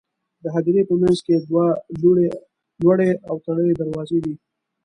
د هدیرې په منځ کې دوه لوړې او تړلې دروازې دي.